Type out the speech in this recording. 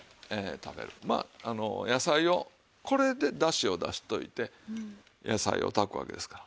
まあ野菜をこれでだしを出しておいて野菜を炊くわけですから。